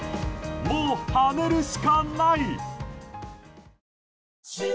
もう跳ねるしかない。